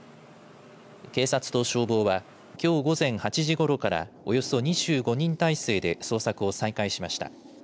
警察と消防はきょう午前８時ごろからおよそ２５人体制で捜索を再開しました。